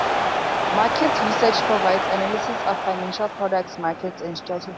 Markets Research provides analyses of financial products, markets and strategy.